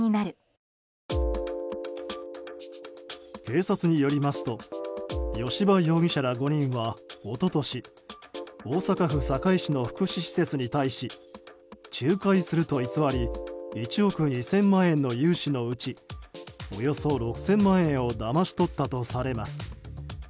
警察によりますと吉羽容疑者ら５人は一昨年大阪府堺市の福祉施設に対し仲介すると偽り１億２０００万円の融資のうちおよそ６０００万円をだまし取ったとされます。